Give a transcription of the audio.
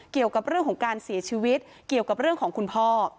เกี่ยวกับเรื่องของการเสียชีวิตเกี่ยวกับเรื่องของคุณพ่อ